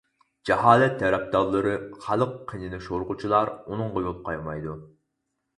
جاھالەت تەرەپدارلىرى، خەلق قېنىنى شورىغۇچىلار ئۇنىڭغا يول قويمايدۇ.